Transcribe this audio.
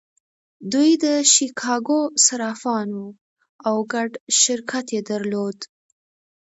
دوی د شیکاګو صرافان وو او ګډ شرکت یې درلود